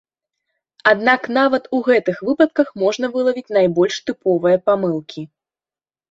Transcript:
Аднак нават у гэтых выпадках можна вылавіць найбольш тыповыя памылкі.